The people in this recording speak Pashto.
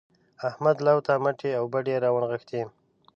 احمد لو ته مټې او بډې راونغښتې.